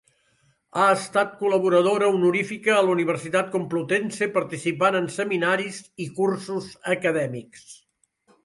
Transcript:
Ha estat col·laboradora honorífica a la Universitat Complutense participant en seminaris i cursos acadèmics.